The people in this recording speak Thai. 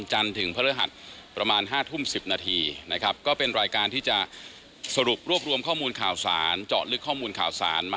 ให้มันบริการหลับมาจากข้อมูลข่าวนะครับ